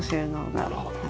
なるほど。